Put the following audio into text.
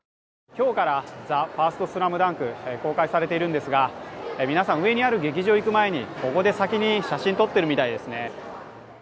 今日から「ＴＨＥＦＩＲＳＴＳＬＡＭＤＵＮＫ」公開されているんですが、皆さん、上にある劇場に行く前にここで写真を撮っているみたいですね。